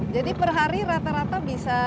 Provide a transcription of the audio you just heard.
jadi per hari rata rata bisa